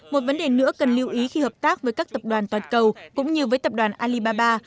một vấn đề nữa cần lưu ý khi hợp tác với các tập đoàn toàn cầu cũng như với tập đoàn alibaba